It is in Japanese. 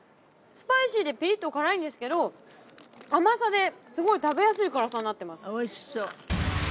スパイシーでピリッと辛いんですけど甘さですごい食べやすい辛さになってます